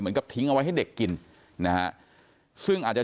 เหมือนกับทิ้งเอาไว้ให้เด็กกินนะฮะ